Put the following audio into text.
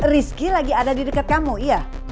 rizky lagi ada di dekat kamu iya